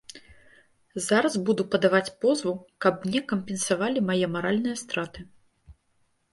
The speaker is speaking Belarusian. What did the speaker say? Зараз буду падаваць позву, каб мне кампенсавалі мае маральныя страты.